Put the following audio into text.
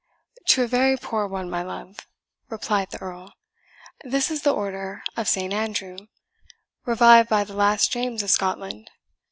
"To a very poor one, my love," replied the Earl; "this is the Order of Saint Andrew, revived by the last James of Scotland.